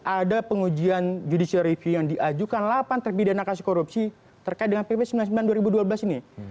ada pengujian judicial review yang diajukan delapan terpidana kasus korupsi terkait dengan pp sembilan puluh sembilan dua ribu dua belas ini